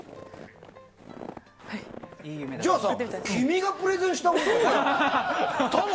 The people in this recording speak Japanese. じゃあさ君がプレゼンしたらいいじゃん。